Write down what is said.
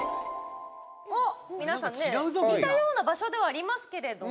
皆さんね、似たような場所ではありますけれども。